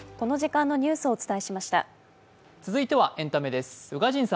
続いてはエンタメです。